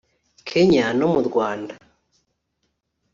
Kenya no mu Rwanda